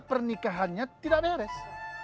pernikahannya tidak beres